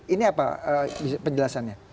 ini apa penjelasannya